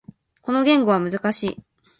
この言語は難しい。